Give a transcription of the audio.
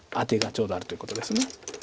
ちょうどあるということです。